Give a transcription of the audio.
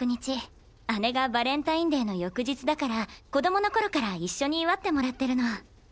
姉がバレンタインデーの翌日だから子供の頃から一緒に祝ってもらってるの。